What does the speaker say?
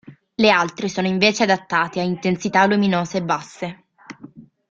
Le altre sono invece adattate a intensità luminose basse.